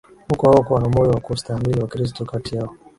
huko hawakuwa na moyo wa kustahimili Wakristo kati yao